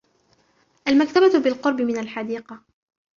المكتبة بالقرب من الحديقة.